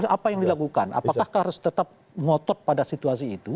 apa yang dilakukan apakah harus tetap ngotot pada situasi itu